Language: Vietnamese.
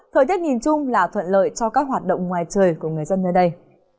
thời tiết nhìn chung là thuận lợi cho các hoạt động ngoài trời của người dân nơi đây